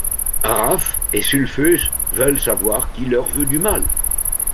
Raf et Sulfus veulent savoir qui leur veut du mal.